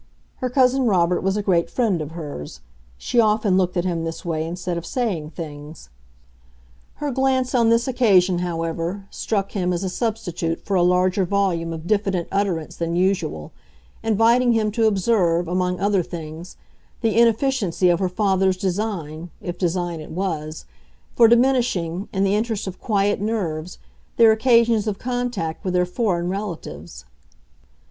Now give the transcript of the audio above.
Her cousin Robert was a great friend of hers; she often looked at him this way instead of saying things. Her glance on this occasion, however, struck him as a substitute for a larger volume of diffident utterance than usual, inviting him to observe, among other things, the inefficiency of her father's design—if design it was—for diminishing, in the interest of quiet nerves, their occasions of contact with their foreign relatives.